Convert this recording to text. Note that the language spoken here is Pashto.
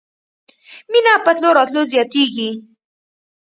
مینه په تلو راتلو زیاتیږي